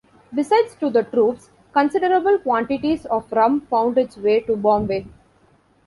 Besides to the troops, considerable quantities of rum found its way to Bombay.